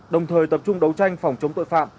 đồng thời tập trung đấu tranh phòng chống tội phạm